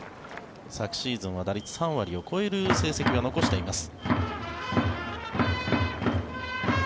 昨シーズンは打率３割を超える成績を残しています。